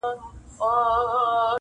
پاچا پورته په کړکۍ په ژړا سو-